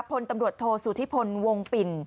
พตโธสุธิพลวงปิ่น